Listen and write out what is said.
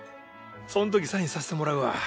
そんときサインさせてもらうわ。